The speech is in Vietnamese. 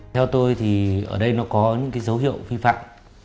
theo tôi thì ở đây nó có những dấu hiệu vi phạm